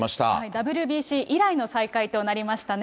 ＷＢＣ以来の再会となりましたね。